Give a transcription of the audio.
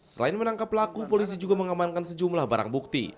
selain menangkap pelaku polisi juga mengamankan sejumlah barang bukti